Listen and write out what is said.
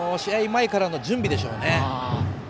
前からの準備でしょうね。